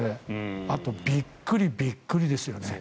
あとびっくりびっくりですよね。